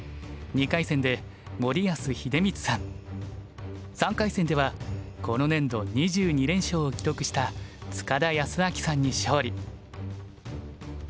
２回戦で森安秀光さん３回戦ではこの年度２２連勝を記録した塚田泰明さんに勝利。